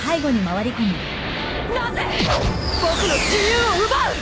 なぜ僕の自由を奪う！